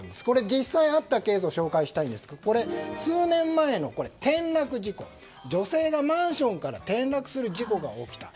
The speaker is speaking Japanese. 実際にあったケースを紹介したいんですが数年前の転落事故女性がマンションから転落する事故が起きた。